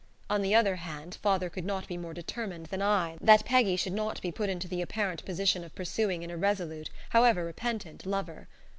On the other hand, father could not be more determined than I that Peggy should not be put into the apparent position of pursuing an irresolute, however repentant, lover....